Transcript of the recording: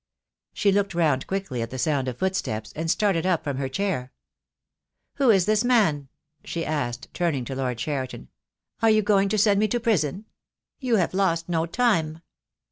She looked round quickly at the sound of footsteps, and started up from her chair. "Who is this man?" she asked, turning to Lord Cheri ton. "Are you going to send me to prison? You have lost no time."